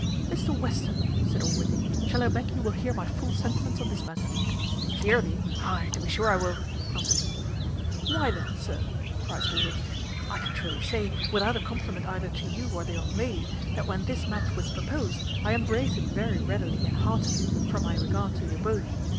"Mr Western," said Allworthy, "shall I beg you will hear my full sentiments on this matter?" "Hear thee; ay, to be sure I will," answered he. "Why, then, sir," cries Allworthy, "I can truly say, without a compliment either to you or the young lady, that when this match was proposed, I embraced it very readily and heartily, from my regard to you both.